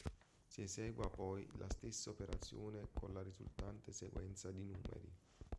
Si esegua poi la stessa operazione con la risultante sequenza di numeri.